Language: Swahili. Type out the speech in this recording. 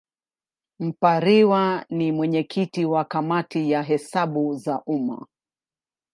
Mpariwa ni mwenyekiti wa Kamati ya Hesabu za Umma.